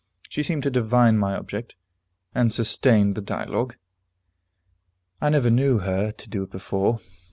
She seemed to divine my object, and sustained the dialogue; I never knew her to do it before.